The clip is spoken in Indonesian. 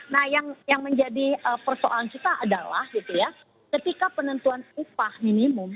nah yang menjadi persoalan kita adalah gitu ya ketika penentuan upah minimum